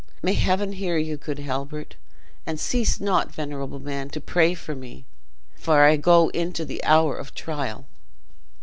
"May Heaven hear you, good Halbert! And cease not, venerable man, to pray for me; for I go into the hour of trial."